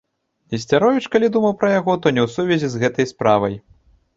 Несцяровіч, калі думаў пра яго, то не ў сувязі з гэтай справай.